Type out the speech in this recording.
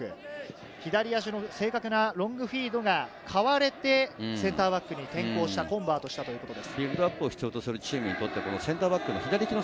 左足の正確なロングフィードが買われて、センターバックに転向した、コンバートしたということです。